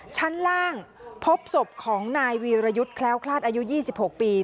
ชั้นล่างพบศพของนายวีรยุทธ์แคล้วคลาดอายุ๒๖ปี